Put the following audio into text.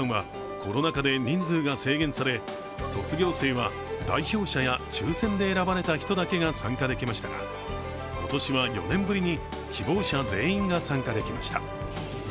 去年までの３年間はコロナ禍で人数が制限され卒業生は代表者や抽選で選ばれた人だけが参加できましたが今年は４年ぶりに希望者全員が参加できました。